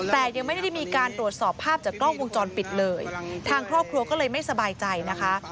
แต่ยังไม่ได้มีการตรวจสอบภาพจากกล้องวงจรปิดเลยทางครอบครัวก็เลยไม่สบายใจนะคะ